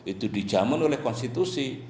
itu dijamin oleh konstitusi